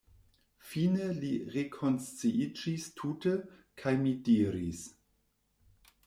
Fine li rekonsciiĝis tute, kaj mi diris: